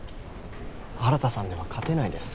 新さんでは勝てないです。